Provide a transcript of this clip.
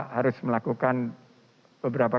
harus melakukan beberapa